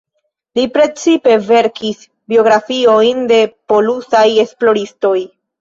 Li precipe verkis biografiojn de polusaj esploristoj.